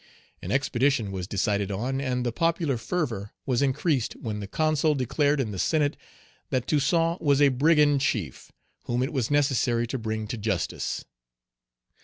An expedition was decided on. And the popular fervor was increased when the Consul declared in the senate that Toussaint was a brigand chief whom it was necessary to bring to justice.